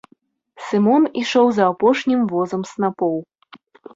Сымон ішоў за апошнім возам снапоў.